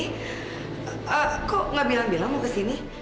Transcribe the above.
pak kok gak bilang bilang mau kesini